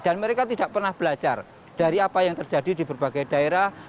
dan mereka tidak pernah belajar dari apa yang terjadi di berbagai daerah